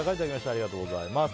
ありがとうございます。